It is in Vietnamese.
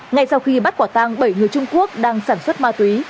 ngay sau khi bắt quả tang bảy người trung quốc đang sản xuất ma túy